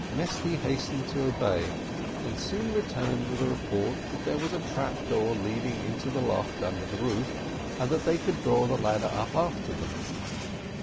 Mesty hastened to obey, and soon returned with a report that there was a trap door leading into the loft under the roof, and that they could draw the ladder up after them.